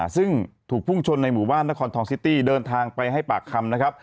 ซึ่งถูกพุ่งชนในหมู่บ้านนครทองซิตี้เดินทางไปให้ปากคำนะครับ